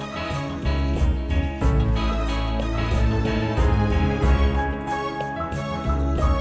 sampai jumpa di video selanjutnya